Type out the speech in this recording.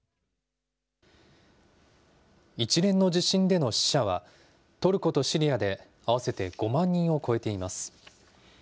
一連の地震での死者は、トルコとシリアで合わせて５万人を超えています。